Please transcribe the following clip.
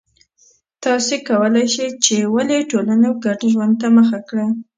تاسو کولای شئ چې ولې ټولنو ګډ ژوند ته مخه کړه